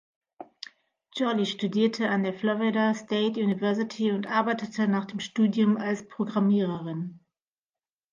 Jolly studierte an der Florida State University und arbeitete nach dem Studium als Programmiererin.